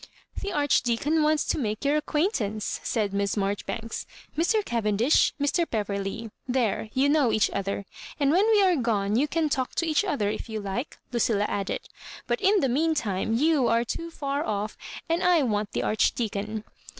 "The Archdeacon wants to make your ac quaintance," said Miss Marjoribanks. " Mr. Ca vendish—Mr. Beverley. There, you know each other ; and when we are gone you can talk tc each other, if you like," Lucilla added; "but in the mean time you are too far ofl^ and /want the Archdeacon.